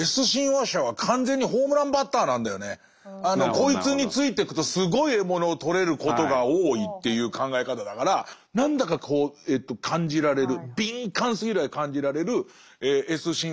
こいつについてくとすごい獲物を取れることが多いっていう考え方だから何だか感じられる敏感すぎるぐらい感じられるＳ親和者は絶対必要ですよね。